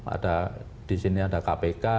ada di sini ada kpk